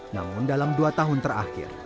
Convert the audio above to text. namun dalam dua tahun terakhir